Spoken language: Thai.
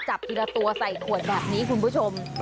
จับทีละตัวใส่ขวดแบบนี้คุณผู้ชม